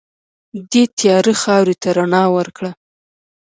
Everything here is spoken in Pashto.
دې تیاره خاورې ته رڼا ورکړه.